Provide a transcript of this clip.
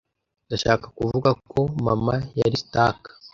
"Ndashaka kuvuga ko mama yari Stark